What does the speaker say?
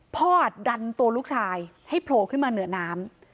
ดันตัวลูกชายให้โผล่ขึ้นมาเหนือน้ำ